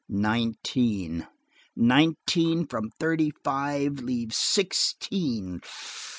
Nineteen! Nineteen from thirty five leaves sixteen!